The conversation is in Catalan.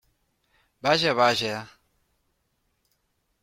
Vaja, vaja!